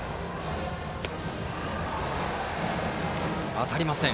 当たりません。